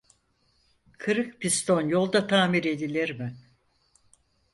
Kırık piston yolda tamir edilir mi?